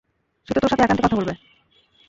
সে তোর সাথে একান্তে কথা বলবে।